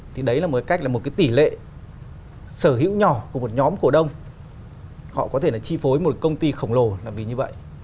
thì đấy là một cách là một cái tỷ lệ sở hữu nhỏ của một nhóm cổ đông họ có thể là chi phối một công ty khổng lồ là vì như vậy